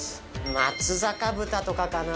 松阪豚とかかな。